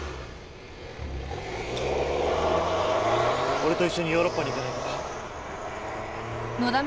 俺と一緒にヨーロッパに行かないか？